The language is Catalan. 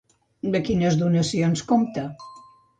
De quines donacions compta?